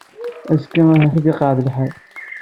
Azekka ahat ad iqeɛɛed lḥal.